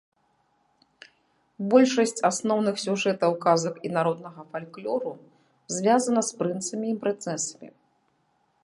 Большасць асноўных сюжэтаў казак і народнага фальклору звязана з прынцамі і прынцэсамі.